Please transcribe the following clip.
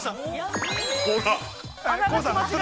◆ほら。